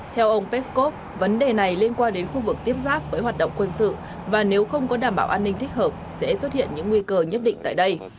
theo ông peskov vấn đề này liên quan đến khu vực tiếp giáp với hoạt động quân sự và nếu không có đảm bảo an ninh thích hợp sẽ xuất hiện những nguy cơ nhất định tại đây